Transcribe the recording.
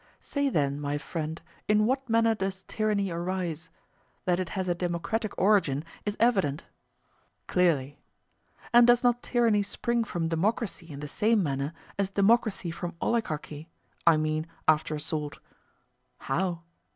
Say then, my friend, In what manner does tyranny arise?—that it has a democratic origin is evident. Clearly. And does not tyranny spring from democracy in the same manner as democracy from oligarchy—I mean, after a sort? How?